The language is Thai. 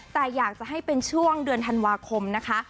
แต่อยากจะให้เป็นช่วงเดือนธันวาคมนะคะ